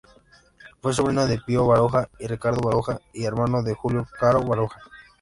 Fue sobrino de Pío Baroja y Ricardo Baroja, y hermano de Julio Caro Baroja.